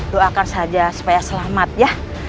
doakan saja supaya selamat ya